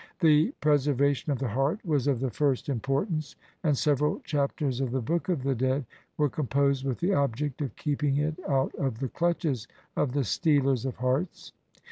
The pre servation of the heart was of the first importance, and several Chapters of the Book of the Dead were composed with the object of keeping it out of the clutches of the "stealers of hearts".